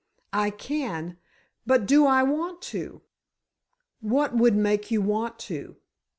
"I can—but do I want to?" "What would make you want to?"